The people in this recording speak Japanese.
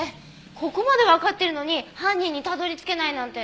ここまでわかってるのに犯人にたどり着けないなんて。